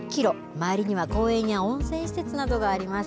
周りには公園や温泉施設などがあります。